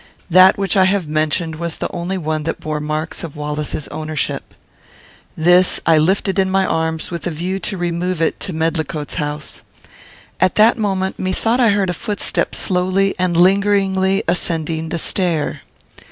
That which I have mentioned was the only one that bore marks of Wallace's ownership. This I lifted in my arms with a view to remove it to Medlicote's house. At that moment, methought I heard a footstep slowly and lingeringly ascending the stair.